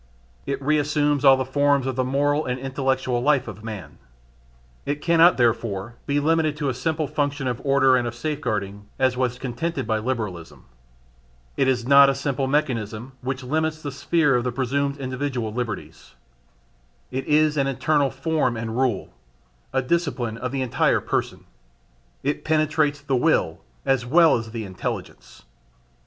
It reassumes all the forms of the moral and intellectual life of man. It cannot, therefore, be limited to a simple function of order and of safeguarding, as was contended by Liberalism. It is not a simple mechanism which limits the sphere of the presumed individual liberties. It is an internal form and rule, a discipline of the entire person: it penetrates the will as well as the intelligence.